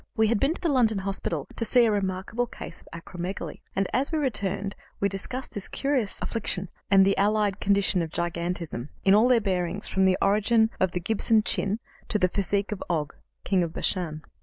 We had been to the London Hospital to see a remarkable case of acromegaly, and, as we returned, we discussed this curious affection, and the allied condition of gigantism, in all their bearings, from the origin of the "Gibson chin" to the physique of Og, King of Bashan.